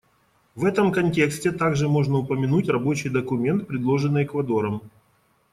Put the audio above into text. В этом контексте также можно упомянуть рабочий документ, предложенный Эквадором.